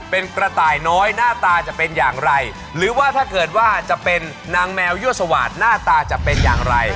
เป็นกระต่ายน้อยหน้าตาจะเป็นอย่างไรหรือว่าถ้าเกิดว่าจะเป็นนางแมวยั่วสวาสตหน้าตาจะเป็นอย่างไร